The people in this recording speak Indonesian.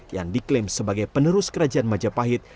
yang diklaim sebagai penerus kerajaan majapahit